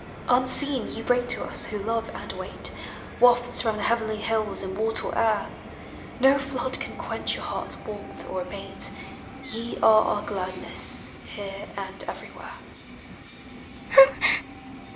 Unseen, ye bring to us, who love and wait, Wafts from the heavenly hills, immortal air; No Hood can quench your hearts' warmth, or abate; Ye are our gladness, here and everywhere.